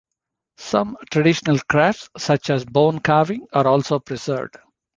Some traditional crafts, such as bone-carving, are also preserved.